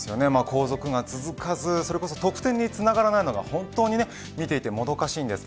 後続が続かずそれこそ得点につながらないのが本当に見ていてもどかしいです。